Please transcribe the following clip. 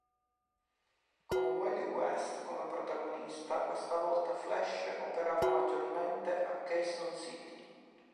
Con Wally West come protagonista, questa volta Flash operava maggiormente a Keystone City.